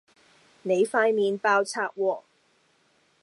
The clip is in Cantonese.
你塊面爆冊喎